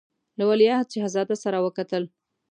له ولیعهد شهزاده سره وکتل.